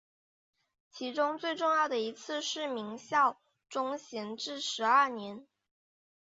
其中最重要的一次是明孝宗弘治十二年。